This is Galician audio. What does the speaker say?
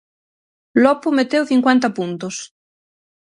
Lopo meteu cincuenta puntos.